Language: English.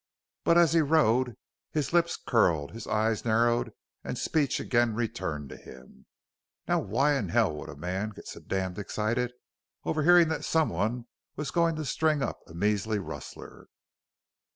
But as he rode his lips curled, his eyes narrowed, and speech again returned to him. "Now why in hell would a man get so damned excited over hearin' that someone was goin' to string up a measly rustler?"